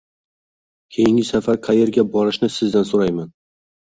Keyingi safar qayerga borishni sizdan so'rayman.